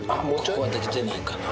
ここはできてないかな。